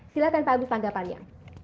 silakan pak agus tanggapannya